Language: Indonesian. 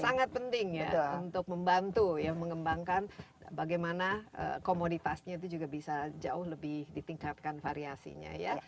sangat penting untuk membantu ya mengembangkan bagaimana komoditasnya itu juga bisa jauh lebih ditingkatkan variasinya ya